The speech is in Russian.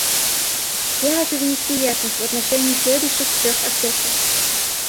Я хочу внести ясность в отношении следующих трех аспектов.